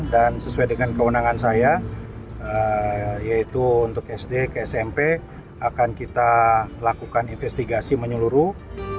dan sesuai dengan kewenangan saya yaitu untuk sd ke smp akan kita lakukan investigasi menyeluruh